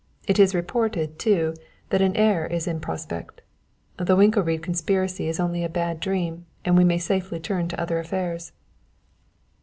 It is reported, too, that an heir is in prospect. The Winkelried conspiracy is only a bad dream and we may safely turn to other affairs."